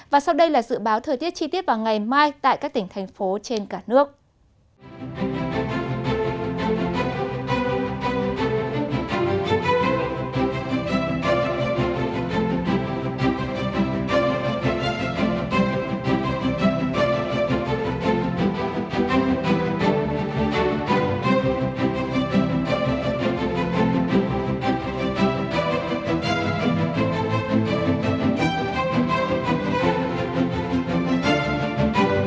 và sau đây là dự báo thời tiết chi tiết vào ngày mai tại các tỉnh thành phố trên cả nước